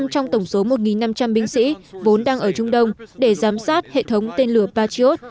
sáu trăm linh trong tổng số một năm trăm linh binh sĩ vốn đang ở trung đông để giám sát hệ thống tên lửa patriot